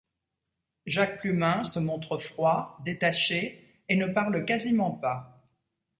Jacques Plumain se montre froid, détaché et ne parle quasiment pas.